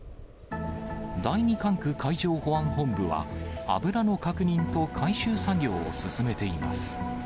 第二管区海上保安本部は、油の確認と回収作業を進めています。